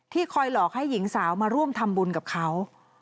คอยหลอกให้หญิงสาวมาร่วมทำบุญกับเขา